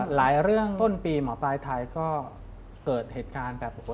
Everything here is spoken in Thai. เรื่องต้นปีหมอปลายไทยก็เกิดเหตุการณ์แบบปกติ